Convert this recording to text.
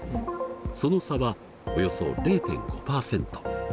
その差はおよそ０．５％。